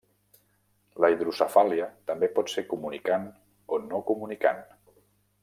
La hidrocefàlia també pot ser comunicant o no comunicant.